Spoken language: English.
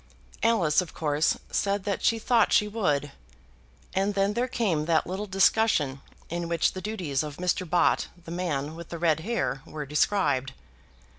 Alice of course said that she thought she would; and then there came that little discussion in which the duties of Mr. Bott, the man with the red hair, were described.